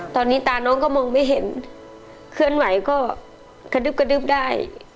ตอนนี้ตาน้องก็มองไม่เห็นเคลื่อนไหวก็กระดึ๊บกระดึ๊บได้